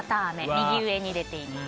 右上に出ています。